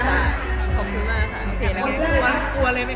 และก็เพาะให้น้ำบ่อย